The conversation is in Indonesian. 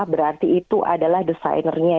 berarti itu adalah desainernya